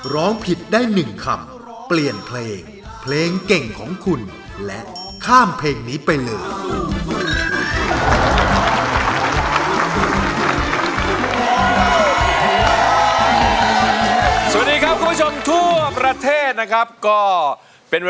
ร้องผิดได้๑คำเปลี่ยนเพลงเพลงเก่งของคุณและข้ามเพลงนี้ไปเลย